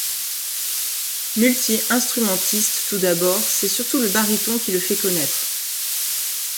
Multi-instrumentiste tout d'abord, c'est surtout le baryton qui le fait connaître.